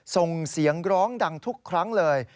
ส่งเสียงร้องดังทุกครั้งเลย